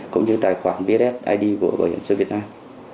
cũng như tài khoản vssid của bảo hiểm xã hội việt nam